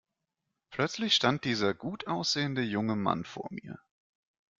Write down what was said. Plötzlich stand dieser gut aussehende, junge Mann vor mir.